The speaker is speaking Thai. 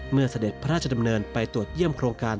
เสด็จพระราชดำเนินไปตรวจเยี่ยมโครงการ